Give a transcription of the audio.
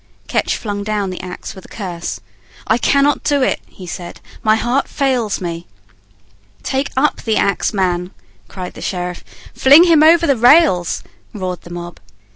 Ketch flung down the axe with a curse. "I cannot do it," he said; "my heart fails me." "Take up the axe, man," cried the sheriff. "Fling him over the rails," roared the mob.